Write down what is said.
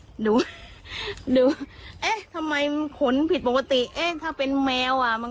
ก็มาดูใส่แว่นดูดูทำไมขนผิดปกติถ้าเป็นแมวอ่ะมัน